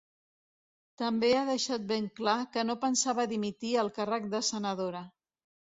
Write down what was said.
També ha deixat ben clar que no pensava dimitir el càrrec de senadora.